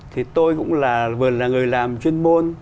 thì tôi cũng là vừa là người làm chuyên môn